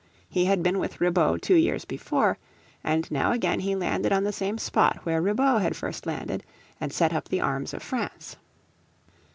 He had been with Ribaut two years before, and now again he landed on the same spot where Ribaut had first landed, and set up the arms of France.